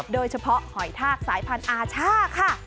โดยเฉพาะหอยทากสายพันธุ์อาช่าค่ะ